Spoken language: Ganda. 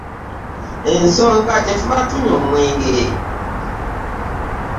Ensonga kye tuva tunywa omwenge.